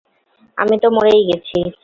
আমি তো মরেই গেছি।